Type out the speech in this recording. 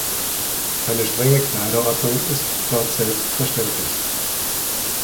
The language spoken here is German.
Eine strenge Kleiderordnung ist dort selbstverständlich.